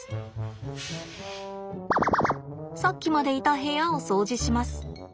さっきまでいた部屋を掃除します。